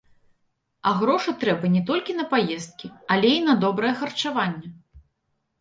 А грошы трэба не толькі на паездкі, але і на добрае харчаванне.